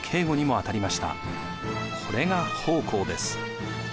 これが奉公です。